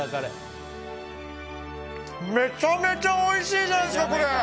めちゃめちゃおいしいじゃないですか、これ！